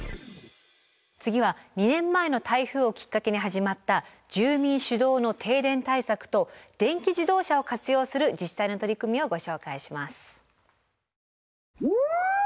次は２年前の台風をきっかけに始まった「住民主導の停電対策」と「電気自動車を活用する自治体の取り組み」をご紹介します。